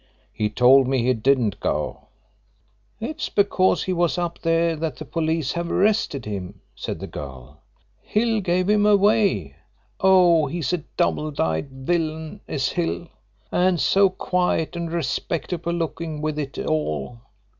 "He told me he didn't go." "It's because he was up there that the police have arrested him," said the girl. "Hill gave him away. Oh, he's a double dyed villain, is Hill. And so quiet and respectable looking with it all!